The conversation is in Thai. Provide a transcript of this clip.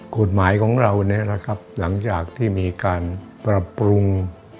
กฎหมายของเราเนี่ยนะครับหลังจากที่มีการปรับปรุง